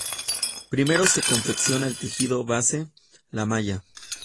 Primero se confecciona el tejido base, la malla.